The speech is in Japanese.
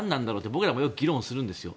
僕らもよく議論するんですよ。